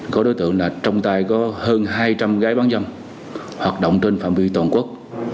có đối tượng là trong tay có hơn hai trăm linh gái bán dâm hoạt động trên phạm vi toàn quốc